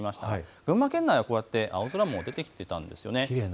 群馬県内はこうやって青空も出てきていたんですよね。